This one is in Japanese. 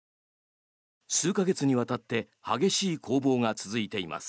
数か月にわたって激しい攻防が続いています。